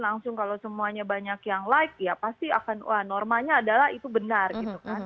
langsung kalau semuanya banyak yang like ya pasti akan wah normanya adalah itu benar gitu kan